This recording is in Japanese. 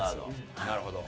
なるほど。